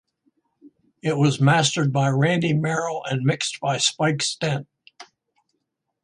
It was mastered by Randy Merrill and mixed by Spike Stent.